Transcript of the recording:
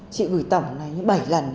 chị gửi tổng là bảy lần